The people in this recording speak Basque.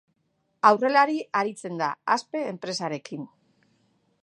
Aurrelaria aritzen da, Aspe enpresarekin.